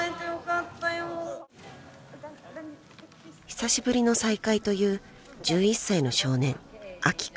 ［久しぶりの再会という１１歳の少年］